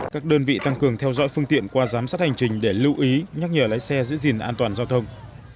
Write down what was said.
các đơn vị tăng cường theo dõi phương tiện qua giám sát hành trình để lưu ý nhắc nhở lái xe giữ gìn an toàn giao thông